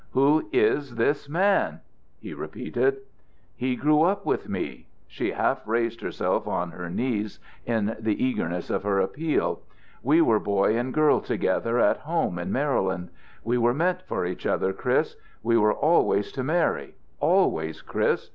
"Who is this man?" he repeated. "He grew up with me." She half raised herself on her knees in the eagerness of her appeal. "We were boy and girl together at home in Maryland. We were meant for each other, Chris. We were always to marry always, Chris.